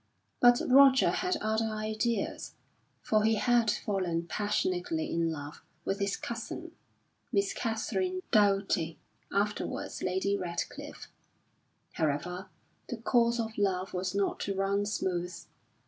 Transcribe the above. But Roger had other ideas, for he had fallen passionately in love with his cousin Miss Katharine Doughty afterwards Lady Radcliffe. However, the course of love was not to run smooth.